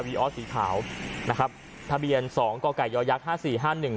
ออสสีขาวนะครับทะเบียนสองก่อไก่ยอยักษห้าสี่ห้าหนึ่ง